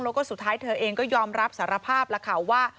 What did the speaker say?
แล้วก็สุดท้ายเธอเองก็ยอมรับสารภาพแล้วค่ะว่า